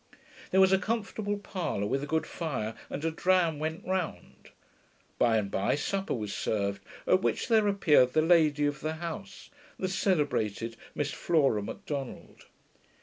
There was a comfortable parlour with a good fire, and a dram went round. By and by supper was served, at which there appeared the lady of the house, the celebrated Miss Flora Macdonald.